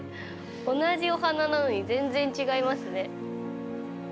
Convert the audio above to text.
同じお花なのに全然違いますね。